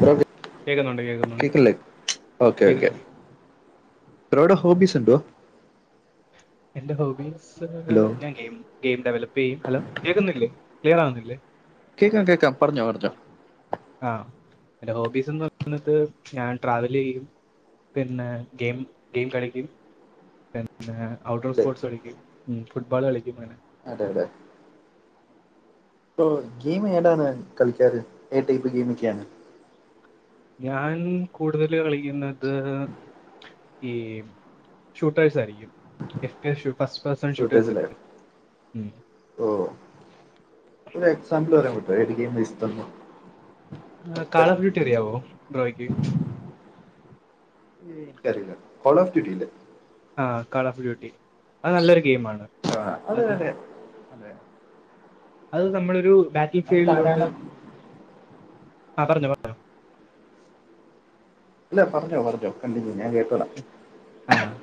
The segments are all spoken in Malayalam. ബ്രോ എവ്ടെ കേക്കുന്നുണ്ട് കേക്കുന്നുണ്ട് കേക്ക്ല്ലേ ഓക്കെ ഓക്കെ കേക്കുന്നുണ്ട് ബ്രോടെ ഹോബീസ് എന്തുവാ എന്റെ ഹോബീസ് ഹലോ ഞാൻ ഗെയിം ഗെയിം ഡെവലപ്പ് ചെയ്യും ഹലോ കേക്കുന്നില്ലേ ക്ലിയറവുന്നില്ലേ കേക്കാം കേക്കാം പറഞ്ഞോ പറഞ്ഞോ ആഹ് എന്റെ ഹോബീസ്ന്ന് പറഞ്ഞിട്ട് ഞാൻ ട്രാവലെയ്യും. പിന്നെ ഗെയിം ഗെയിം കളിക്കും പിന്നെ ഔട്ട് ഡോർ അല്ലേ സ്പോർട്സ് കളിക്കും ഫുട്ബോൾ കളിക്കും അഹന്നെ അതെ അതെ ഇപ്പോ ഗെയിം ഏതാണ് കളിക്കാറ് ഏത് ടൈപ്പ് ഗെയിമൊക്കെയാണ്. ഞാൻ കൂടുതല് കളിക്കുന്നത് ഈ ഷൂട്ടേഴ്സായിരിക്കും. എഫ് റ്റ് ഷൂ പാസ് പാസൺ ഷൂട്ടേഴസ് ഉം ഓഹ് ഒരു എക്സാമ്പിൾ പറയാൻ പറ്റോ ഏത് ഗെയിം [unintelligible] ആഹ് കളോഫ്ഡ്യുട്ടി അറിയാവോ ബ്രോയ്ക്ക് എനിക്കറില കോൾ ഓഫ് ഡ്യൂട്ടില്ലേ ആഹ് കാള് ഓഫ് ഡ്യൂട്ടി അത് നല്ലൊരു ഗെയിമാണ് ആഹ് അത് അതെ അതെ അത് നമ്മളരു ബാറ്റിൽ അത് ഫീൽഡിലോട്ട് ധാരാളം ആഹ് പറഞ്ഞോ പറഞ്ഞോ അല്ല പറഞ്ഞോ പറഞ്ഞോ കണ്ടിന്യു ഞാൻ കേട്ടോളാ ആഹ്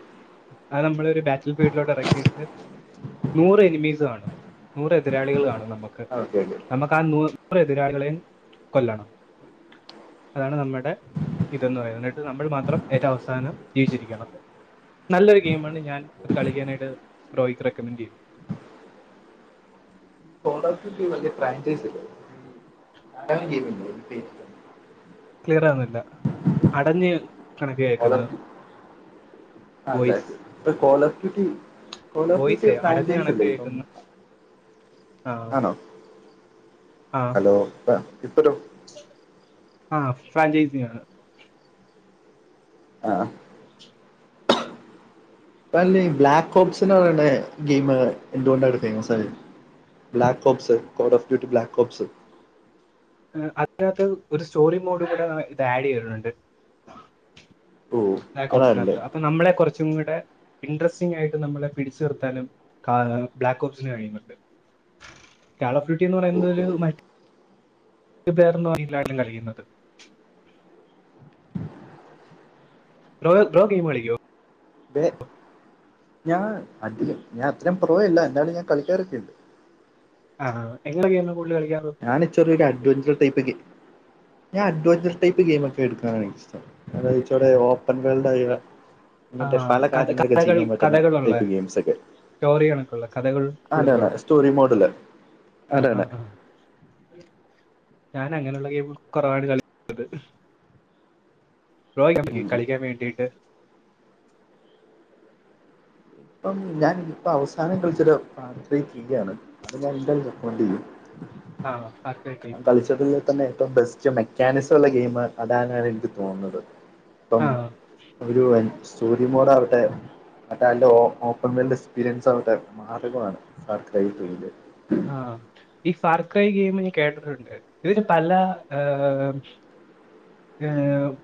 അത് നമ്മൾ ഒരു ബാറ്റിൽ ഫീൽഡിലോട്ട് ഇറക്കിട്ട് നൂറ് എനിമീസ് കാണും നൂറ് എതിരാളികൾ കാണും നമുക്ക് ഓക്കെ ഓക്കെ നമുക്ക് ആഹ് നൂറ് എതിരാളികളെയും കൊല്ലണം ആഹ് അതാണ് നമ്മുടെ ഇതെന്ന് പറയുന്നത് എന്നിട്ട് നമ്മൾ മാത്രം ഏറ്റവും അവസാനം ജീവിച്ചിരിക്കണം നല്ലൊരു ഗെയിമാണ് ഞാൻ അത് കളിക്കാനായിട്ട് ബ്രോയിക്ക് റെക്കമെന്റ് ചെയ്യും ഫസ്റ്റ് [unintelligible] പ്രാക്ടീസില്ലേ അങ്ങനൊരു ഗെയിമ്ല്ലേ ഗെയിമ് ക്ലിയറാവുന്നില്ല അടഞ്ഞ് ആണ് കേക്കുന്നെ അതെ ഇപ്പൊ കോലഫ് സൂകി കോലോഫ് സൂകി വോയിസ് ഫ്രാഞ്ചൈസ് അല്ലേ ഇപ്പം ആഹ് ആണോ ഹലോ ഇപ്പണ് ഇപ്പഴോ ആഹ് ഫ്രാഞ്ചൈസിയാ ആഹ് പ്പല്ലേ ബ്ലാക്ക് ഹോപ്സ് ന്നറീണ ഗെയിം എന്തുകൊണ്ടണ് ഫേമസ് ആയത് ബ്ലക്കോപ്സ് കോറോഡ് ഓഫ് ഡ്യൂട്ടി ബ്ലാക്കോപ്സ്. അതിനകത്ത് ഒരു സ്റ്റോറി മോഡ് കൂടെ ഇത് ആഡ് ചെയ്തിട്ടുണ്ട് ഓ അതാണല്ലേ ബ്ലാക്‌ഹോപ്സിനകത്ത് അപ്പൊ നമ്മളെ കൊറച്ചും കൂടെ ഇൻട്രസ്റ്റിംങ് ആയിട്ട് നമ്മളെ പിടിച്ചു നിർത്താനും കാ ബ്ലാക്ക് ഹോപ്സിന് കഴിയുന്നുണ്ട് കാള്ഓഫ് ഡ്യൂട്ടി എന്ന് ഓ ഓ പറയുന്നതൊരു മറ്റെ ഒരു പേരൊന്നും അറിയില്ല ആരാണ് കളിക്കുന്നത് ബ്രോ ബ്രോ ഗെയിം കളിക്കോ വേ ഞാൻ അധികം ഞാൻ അത്രയും പ്രൊവല്ല എന്നാലും ഞാൻ കളിക്കാറോക്കെയുണ്ട് ആഹ് എങ്ങനെ ഗെയിമാ കൂടുതൽ കളിക്കാറ് ഞൻ ചെറിയ അഡ്വഞ്ചർ ടൈപ്പക്കെയ് ഞാൻ അഡ്വഞ്ചർസ് ടൈപ്പ് ഗെയിം ഒക്കെ എടുക്കാനാണ് എനിക്ഇഷ്ടം അത് ച്ചോടെ ഉം. ഓപ്പൺ വേൾഡ് ആയ ആ, ഇങ്ങനത്തെ പല കഥ- കാര്യങ്ങളൊക്കെ കഥകൾ ചെയ്യാൻ പറ്റുന്ന കഥകളുള്ള ടൈപ്പ് ഗെയിംസ് ഒക്കെ സ്റ്റോറി കണക്കുള്ള കഥകൾ അതെ തെ സ്റ്റോറി മോഡല് അതെ അഹ് അതെ അഹ് അഹ് ഞാൻ അങ്ങനെയുള്ള ഗെയിം കുറവ കളി അത് ബ്രോയിക്ക് ഉം കളിക്കാൻ വേണ്ടീട്ട് ഇപ്പം ഞാൻ ഇപ്പ അവസാനം കളിച്ചത്‌ പാത്രി ചെയ്യുകയാണ് അത് ഞാൻ എന്തായാലും റെക്കമെൻറ് ചെയ്യും ആഹ് ആഹ് [unintelligible] ബെ തന്നെ ഏറ്റവും ബെസ്റ്റ് മെക്കാനിസം ഉള്ള ഗെയിം അതാണ് എനിക്ക് തോന്നുന്നത് ഇപ്പം ആ ഒരു സ്റ്റോറി മോഡാവട്ടെ മറ്റേ അല്ല ഓപ്പൺ മൈൽഡ് എക്സ്പീരിയൻസ് ആവട്ടെ മാർഗമാണ് സർക്രസ് [unintelligible] ആഹ് ഈ ഫാർക്കൈ ഗെയിമിന് കേട്ടിട്ടുണ്ട് ഇതിന് പല ഏഹ്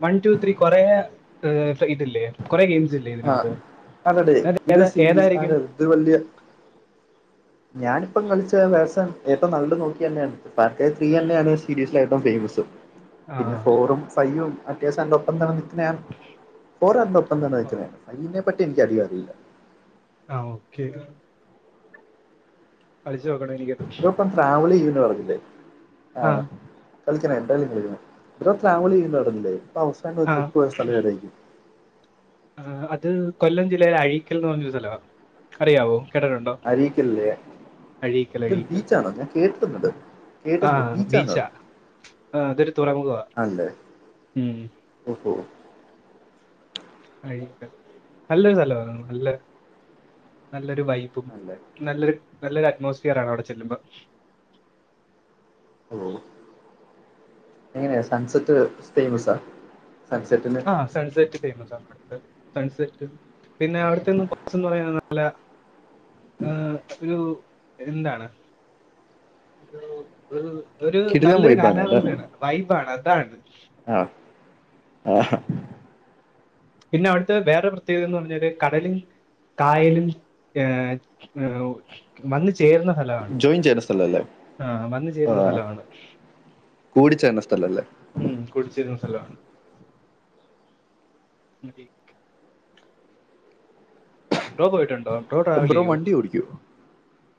വൺ ടു ത്രീ കൊറെ ഇതില്ലേ കുറെ ഗെയിംസ് ഇൽ ആഹ് അതതെ ഇത് സീരീസ് ഏതായിരിക്കും [unintelligible] ഇത് വലിയ ഞാനിപ്പം കളിച്ച വേസൻ ഏറ്റവും നല്ലത് നോക്കി ന്നെയാണ് പാർക്ക ത്രീ തന്നെയാണ് സീരീസസ് ആയിട്ടും ഫേമസ് ആ പിന്നെ ഫോറും ഫൈയ്യും അത്യാവശ്യം എന്റെ ഒപ്പം തന്നെ നിക്കുന്ന ആണ് ഫോർ എന്റെ ഒപ്പം തന്നെ നിക്കുന്നേണ് ഫൈവിനെ പറ്റി എനിക്ക് അധികം അറിയില്ല ആഹ് ഓക്കെ കളിച്ചു നോക്കണം ഇ ബ്രോ ഇപ്പം ട്രാവൽ ചെയ്യും എന്ന് പറഞ്ഞില്ലേ ആ ആഹ് കളിക്കണം എന്തായാലും കളിക്കണം ബ്രോ ട്രാവൽ ചെയ്യും എന്ന് പറഞ്ഞിലെ ഇപ്പൊ അവസാനം ആ ട്രിപ്പ് പോയ സ്ഥലം എവിടെയായിരിക്കും ആഹ് അത് കൊല്ലം ജില്ലയിലെ അഴീക്കൽ എന്ന് പറഞ്ഞൊരു സ്ഥലവാ അറിയാവോ കേട്ടിട്ടുണ്ടോ അഴീക്കലില്ലേ അഴീക്കൽ അത് അഴീക്കൽ ബീച്ചാണോ ഞാൻ കേട്ടിട്ടുണ്ട് കേട്ടണ്ട് ബീച്ചാണോ ആഹ് അതൊരു തുറമുഖവാ ആണല്ലേ ഉം ഓഹോ അഴീക്കൽ നല്ലൊരു സ്ഥലവാ നല്ല നല്ലൊരു വൈബ് ബും ആണല്ലേ നല്ലൊരു നല്ലൊരു അറ്റ്മോസ്ഫിയർ ആണ് അവിടെ ചെല്ലുമ്പോ ഓ എങ്ങനെയ സൺസെറ്റ് ഫേമസാ സൺസെറ്റിൽ ആഹ് സൺസെറ്റ് ഫേമസ് ആണ് അവിടുത്തെ സൺസെറ്റും പിന്നെ അവിടുത്തെന്ന് [unintelligible] പല ഒരു എന്താണ് ഒരു ഒരു കിടിലം നല്ലൊരു വൈബാണ് കാലാവസ്ഥയാണ് വൈബാണ് അതാണ് ആഹ് ആഹ് പിന്നെ അവിടുത്തെ വേറെ പ്രത്യേകത എന്ന് പറഞ്ഞാല് കടലും കായലും ഏ വന്നു ചേർന്ന സ്ഥലമാണ് ജോയിൻ ചെയ്യുന്ന സ്ഥലമല്ലേ ആഹ് വന്നു ആ ചേരുന്ന സ്ഥലമാണ് കൂടിച്ചേരുന്ന സ്ഥലം അല്ലേ ഉം കുടിച്ചേരുന്ന സ്ഥലമാണ് ഉം [unintelligible] ബ്രോ പോയിട്ടുണ്ടോ ബ്രോ ട്രാവൽ ചെയ്യോ വണ്ടി ഓടിക്കുവോ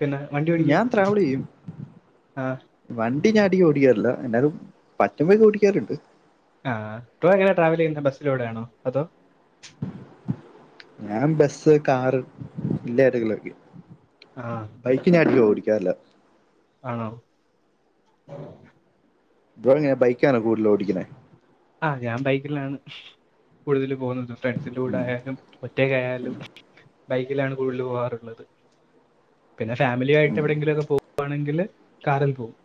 പിന്നെ വണ്ടി ഓടിക്കും ഞാൻ ട്രാവൽ ചെയ്യും ആഹ് വണ്ടി ഞാൻ അധികം ഓടിക്കാറില്ല എന്നാലും പറ്റുമ്പോ ഒക്കെ ഓടിക്കാറുണ്ട് ആഹ് ബ്രോ എങ്ങനെ ട്രാവൽ ചെയ്യുന്നെ ബസ്സിലൂടെയാണോ അതോ ഞാൻ ബസ് കാറ് ഇതിലേതെലൊക്കെ ആഹ ബൈക്ക് ഞാൻ ഓടിക്കാറില്ല ആണോ ബ്രോ എങ്ങനെ ബൈക്കാണോ കൂടുതൽ ഓടിക്കണേ ആഹ ഞാൻ ബൈക്കിലാണ് കൂടുതൽ പോകുന്നത് ഫ്രണ്ട്സിന്റെറെ കൂടെ ഉം ആയാലും ഒറ്റക്കായാലും ബൈക്കിലാണ് കൂടുതൽ പോകാറുള്ളത് പിന്നെ ഫാമിലി ആയിട്ട് ഉം എവിടെയെങ്കിലു ഒക്കെ പോവുവാണെങ്കിൽ കാറിൽ പോകും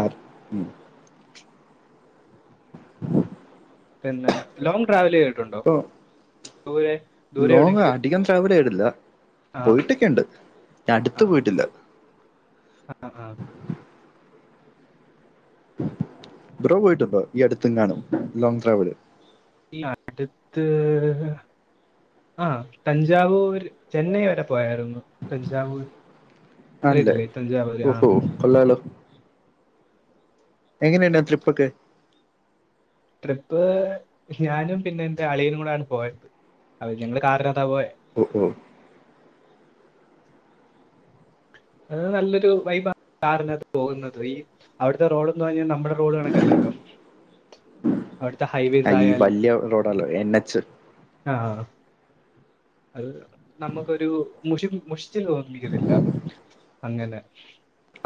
ആർ പിന്നെ ലോങ് ട്രാവൽ ചെയ്തിട്ടുണ്ടോ ഇപ്പൊ ദൂരെ ദൂരെ ലോങ് എവിടെയെങ്കിലും അധികം ട്രാവൽ ചെയ്തിട്ടില്ല ആ പോയിട്ടൊക്കെയുണ്ട് അടുത്ത് പോയിട്ടില്ല ആഹ ആഹ് ബ്രോ പോയിട്ടുണ്ടോ ഈ അടുത്തെങ്ങാനും ലോങ് ഡ്രാവൽ ഇല്ല അടുത്ത് ആഹ തഞ്ചാവൂർ ചെന്നൈ വരെ പോയാരുന്നു തഞ്ചാവൂർ അറിയത്തില്ലേ തഞ്ചാവൂർ ആഹ കൊള്ളാല്ലോ എങ്ങനെയുണ്ട് ട്രിപ്പൊക്കെ ട്രിപ്പ് ഞാനും പിന്നെ എന്റെ അളിയനും കൂടെയാണ് പോയത് അഹ ഞങ്ങള് കാറിനകത്ത പോയെ ഓഹോ അത് നല്ലൊരു വൈബ കാറിനകത്ത് പോകുന്നത് ഈ അവിടുത്തെ റോഡന്ന് പറഞ്ഞാൽ നമ്മുടെ റോഡ് കണക്കല്ലല്ലോ അവിടുത്തെ ഹൈവേസ് അഹ ഈ ആയാലും വലിയ റോഡല്ലോ എൻ എച്ച് ആഹ അത് നമുക്കൊരു മുഷിപ്പ് മുഷിച്ചു തോന്നിപ്പിക്കത്തില്ല അങ്ങനെ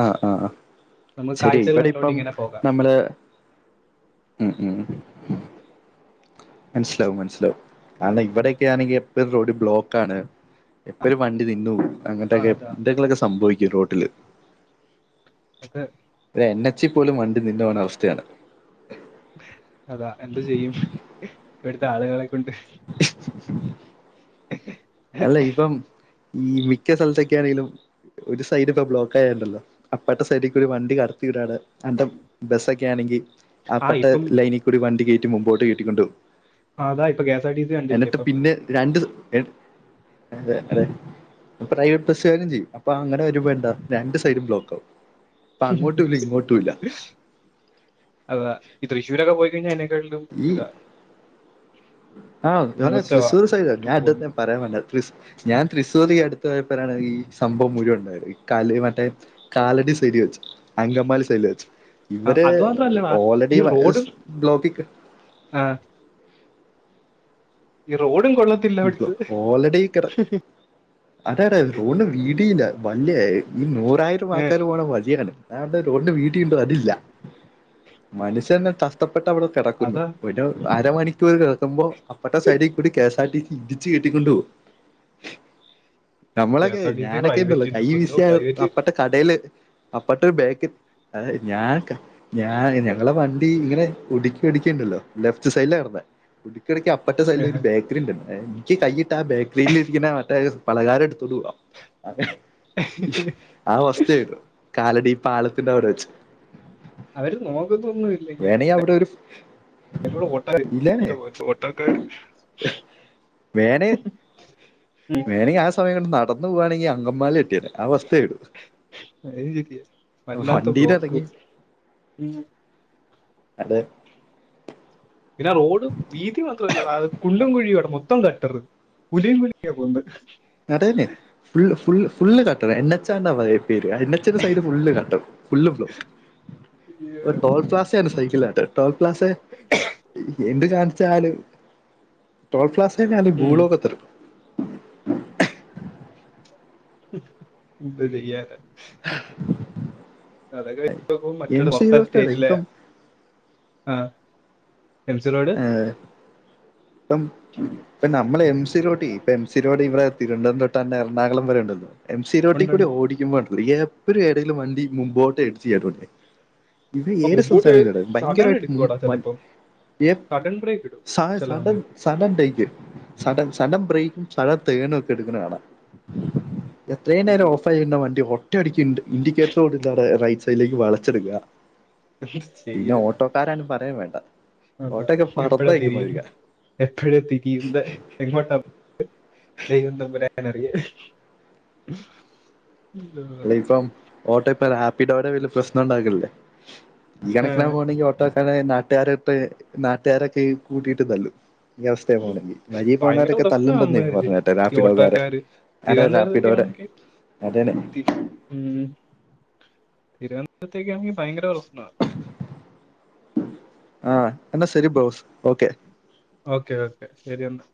ആഹ ആഹ് നമുക്ക് ശരി കാഴ്ചകൾ ഇവിടെ കണ്ടുകൊണ്ട് ഇപ്പം ഇങ്ങനെ പോകാം നമ്മള് ഉം ഉം ഉം മനസ്സിലാവും മനസ്സിലാവും കാരണം ഇവിടെക്കെ ആണെങ്കിൽ എപ്പഴും റോഡ് ബ്ലോക്ക് ആണ് എപ്പൊഴും ഒരു വണ്ടി നിന്നു പോകും ആ അങ്ങനത്തൊക്കെ അതാ എന്തൊക്കിലൊക്കെ സംഭവിക്കും റോട്ടില് അതെ എൻ എച്ച് പോലും വണ്ടി നിന്ന് പോകുന്ന അവസ്ഥയാണ് അതാ എന്ത് ചെയ്യും ഇവിടുത്തെ ആളുകളെ കൊണ്ട് [inaudible] അല്ല ഇപ്പം ഈ മിക്ക സ്ഥലത്തൊക്കെയാണെങ്കിലും ഒരു സൈഡ് ഇപ്പോ ബ്ലോക്ക് ആയണ്ടല്ലോ അപ്പറത്തെ സൈഡ്ക്ക് ഒരു വണ്ടി കടത്തിവിടാണ് അന്റെ- ബസ്സൊക്കെ ആണെങ്കിൽ ആ അപ്പുറത്തെ ഇപ്പം ലൈനിൽ കൂടി വണ്ടി കേറ്റി മുമ്പോട്ട് കേറ്റിക്കൊണ്ട് പോകും. ആഹ അതാ ഇപ്പൊ കെ ആർ ടി സി കണ്ടില്ലേ എന്നിട്ട് ഇപ്പൊ പിന്നെ രണ്ട് അതെ അതെ പ്രൈവറ്റ് ബസ്സുകാരും ചെയ്യും അപ്പൊ അങ്ങനെ ഒരു വേണ്ട രണ്ട് സൈഡും ബ്ലോക്ക് ആവും അപ്പ അങ്ങോട്ടുല്ല ഇങ്ങോട്ടുല്ല അതാ ഈ തൃശ്ശൂരൊക്കെ പോയിക്കഴിഞ്ഞാൽ അയ്നേക്കാട്ടിലും ഇതാ ആഹ് നെ മോശമാ തൃശൂർ സൈഡ് എന്നിട്ട് ഞാൻ പൊന്നു ഇടുത്ത പറയാൻ പറത് ഞാൻ തൃശൂരിൽ അടുത്ത് പോയപ്പോഴാണ് ഈ സംഭവം മുഴുവൻ ഉണ്ടായത് ഈ കല് മട്ടേ കാലടി ശെരി വെച്ചു അങ്കമാലി സൈല് ആ, ഇവര് അത് മാത്രല്ലടാ ഓൾറെഡി ബ്ലോക് ആഹ് ഈ റോഡും കൊള്ള ഓൾ റെഡികെട അതാടാ റോഡിന് വീതില്ല വല്യ ഈ നൂറായിരം ആക്കാര് പോണ വഴിയാണ് ഞൻവിടെ റോഡിനു വീതീണ്ടോ അതില്ല മനുഷ്യന് തഷ്ടപ്പെട്ട അവിടെ കെടക്കുന്നു അതാ ഒരു അരമണിക്കൂർ കിടക്കുമ്പോ അപ്പർത്തെ സൈഡി കൂടി K S R T ഇടിച്ചു കേറ്റി കൊണ്ട് പോഉ കെ നമ്മളൊക്കെ എസ് ആർ ടി സി ഞാനൊക്കെണ്ടല്ലോ പ്രൈവറ്റ് കൈ പൊന്നു വീശിയ പ്രൈവറ്റ് അപ്പട്ട കടേല് അപ്പട്ടരു ബേക്ക് അഹ് ഞാൻ ഞാൻ ഞങ്ങളെ വണ്ടി ഇങ്ങനെ ഉടുക്കി ഉടിക്കിണ്ടല്ലോ ലെഫ്റ്റ് സൈഡില കടന്ന ഉടുക്കിടക്ക മറ്റേ സൈഡില് ഒരു ബേക്കറി ണ്ടല്ലോ എഹ് ഇക്ക് കൈയിട്ടാ ബേക്കറിലിരിക്ണ മറ്റേ പലകാരം എടുതോണ്ട് പോകാം [inaudible] ആ അവസ്ഥേനു കാലടി പാലത്തിന്റെ അവടെ വച്ച് അവര് നോക്കത്തോന്നുല്ലേ വേണെ അവിടെ ഒരു ഇല്ലാണേ [unintelligible] ഓട്ടക്കാര് വേന വേണങ്കി ആ സമയം കൊണ്ട് നടന്നു പോവാണെങ്കി അങ്കമാലി എത്തിയേനെ ആ അവസ്ഥ ആയിരുന്നു അഹ് ശരിയ വല്ലാത്ത വണ്ടീന്ന് ബ്ലോക്കും ഇറങ്ങി ഉം അതെ പിന്നെ റോഡും വീതി മാത്രമല്ലടാ അത് കുണ്ടും കുഴിയും അത് മൊത്തം [unintelligible] പുലിയും കുലിക്ക്യ പോവുന്നെ നെട്ടെന്നെ ഫു ഫു ഫുള്ള് കട്ടർ എൻ എച്ചാ ന്നാ പറയും പേര് എൻ എച്ചിന്റെ side full cutter full block അയ്യോ. ഒരു ടോൾ പ്ലാസ്യാന്ന സൈക്കിലാണ്ട് ടോപ് പ്ലാസ എന്ത് കാണിച്ചാലും ടോൾ പ്ലാസെ ഉം. [unintelligible] എന്ത് ചെയ്യാനാ അതൊക്കെ എം സി റോട്ടിലല്ലേ ഇപ്പം ആഹ് എം സി റോഡ് പ്പം നമ്മളെ എം സി റോട്ടി ഇപ്പോ എം സി റോഡ് ഇവിടെ തിരുവനന്തപുരം തൊട്ട് തന്നെ എറണാകുളം വരെ ഉണ്ടോന്ന് തോന്നു എം സി റോട്ടി ഉണ്ട് കൂടി ഉണ്ട് ഓടിക്കുമ്പോ എപ്പഴും എടെല് വണ്ടി മുമ്പോട്ട് എടിച്ചു [unintelligible] ഇത് അപ്പൊ ഏറെ മുമ്പോട്ട് [unintelligible] സഡൻ ഭയങ്കരായിട്ട് എടുക്കുവാടാ [unintelligible] ചിലപ്പം എഹ് സഡൻ ബ്രേക്ക് ഇടും സ ചില [unintelligible] സമയത്ത് സഡൻ ടേക്ക് സഡൻ സനം ബ്രേക്കും സഴ തേനും ഒക്കെ എടുക്കുന്ന കാണാ എത്രേ നേരം ചുമ്മാ ഓഫയിന്ന വണ്ടി ഓ റ്റടിക്കിന്റ് ഇൻഡിക്കേറ്ററ് ഒടുക്കാതെ റൈറ്റ് സൈഡിലേക്ക് വളച്ചെടുക്ക എന്ത് പിന്നെ ചെയ്യാനാ ഓട്ടോ കാരാന് പറയം വേണ്ട ഓട്ടൊക്കെ പറത്തഴക്കുമ പോയിരിക്ക എപ്പഴും തിരിയുന്നത് എങ്ങോട്ട ദൈവ തമ്പു [unintelligible] അല്ല ഇപ്പം ഓട്ടോ ഇപ്പൊ ഹാപ്പിടോടെ വലിയ പ്രശ്നം ഉണ്ടാക്കില്ലേ ഈ കണക്കിന പോണെങ്കിൽ ഓ ട്ടോക്കനെ നാട്ടുകാരൊക്കെ നാട്ടുകാരൊക്കെ കൂട്ടിയിട്ട് തല്ലു ന ഈ അവസ്ഥയ പോണെങ്കി വഴി ഭയങ്കര പോണോരൊക്കെ പ്രശ്നമാണ് തല്ലുണ്ടെന്ന് പറഞ്ഞട്ടെ റപ്പിഡോകാരെ തിരോന്തരക്കാണെങ്കി അതെന്നെ ഉം തിരുവനന്തപുരത്തേക്കാണെങ്കി ഭയങ്കര പ്രഷ്നാ ആഹ് എന്നാ ശെരി ബോസ് ഓക്കെ ഓക്കെ ഓക്കെ ശെരി എന്നാ